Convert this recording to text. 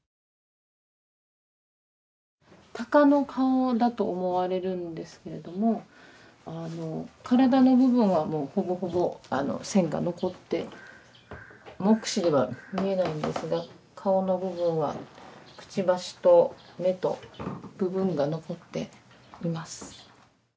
タカの顔だと思われるんですけれども体の部分はもうほぼほぼ線が残って目視では見えないんですが顔の部分はくちばしと目と部分が残っています。